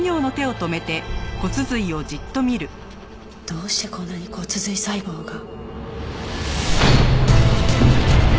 どうしてこんなに骨髄細胞が？